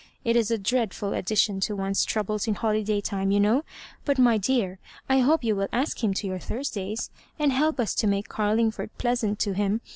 It is a dreadful addition to one^s troubles in holiday time, you know; but, my dear, I hope you will ask him to your Thurs days, and help us to make Garlingford pleasant to him.